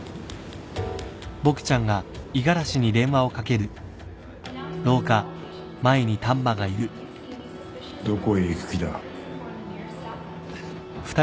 どこへ行く気だ？